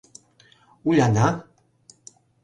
Уляна.